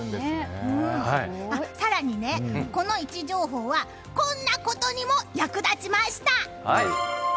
更にね、この位置情報はこんなことにも役立ちました。